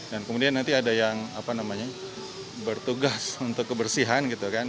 dan kemudian nanti ada yang bertugas untuk kebersihan gitu kan